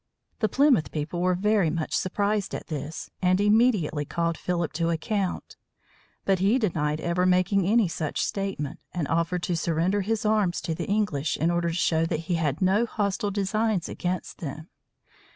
The Plymouth people were very much surprised at this, and immediately called Philip to account. But he denied ever making any such statement, and offered to surrender all his arms to the English in order to show that he had no hostile designs against them.